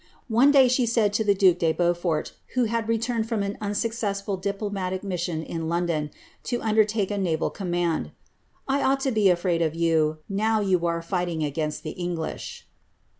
One day she said to the duke de Beaufort, who had returned from an unsuccessful diplo matic mission in London, to undertake a naval command, ^ I ought to be afraid of you, now you are fighting against the English.'